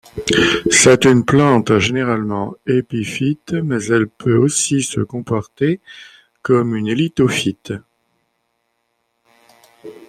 C'est une plante généralement épiphyte, mais elle peut aussi se comporter comme une lithophyte.